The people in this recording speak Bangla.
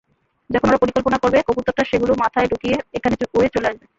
যখন ওরা পরিকল্পনা করবে, কবুতরটা সেগুলো মাথায় ঢুকিয়ে এখানে উড়ে চলে আসবে।